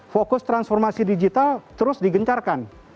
fokus transformasi digital terus digencarkan